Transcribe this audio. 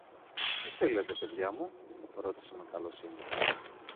Τι θέλετε, παιδιά μου; ρώτησε με καλοσύνη.